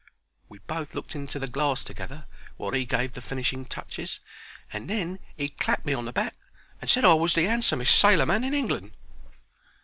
We both looked into the glass together while 'e gave the finishing touches, and then he clapped me on the back and said I was the handsomest sailorman in England.